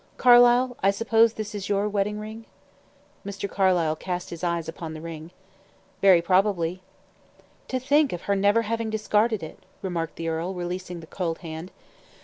Carlyle, I suppose this is your wedding ring?" Mr. Carlyle cast his eyes upon the ring. "Very probably." "To think of her never having discarded it!" remarked the earl, releasing the cold hand.